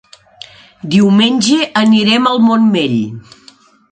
Diumenge anirem al Montmell.